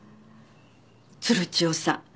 鶴千代さん